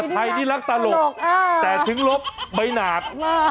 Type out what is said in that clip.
ใครที่รักตลกแต่ถึงลบใบหนาด